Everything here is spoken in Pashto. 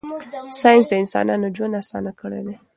ساینس د انسانانو ژوند اسانه کړی دی.